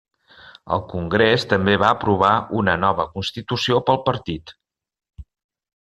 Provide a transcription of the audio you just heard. El congrés també va aprovar una nova constitució pel partit.